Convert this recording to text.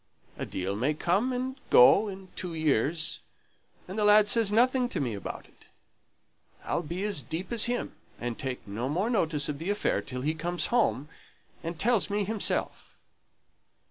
a deal may come and go in two years! and the lad says nothing to me about it. I'll be as deep as him, and take no more notice of the affair till he comes home and tells me himself."